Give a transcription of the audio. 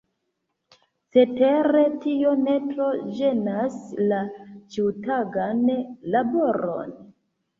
Cetere tio ne tro ĝenas la ĉiutagan laboron.